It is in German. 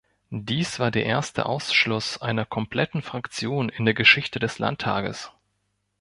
Dies war der erste Ausschluss einer kompletten Fraktion in der Geschichte des Landtages.